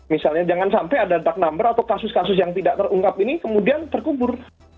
misalnya jangan sampai ada duck number atau kasus kasus yang tidak terungkap ini kemudian terkubur